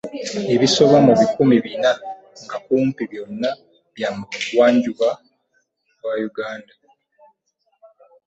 Ebisoba mu bikumi bina nga kumpi byonna bya mu Bugwanjuba bwa Uganda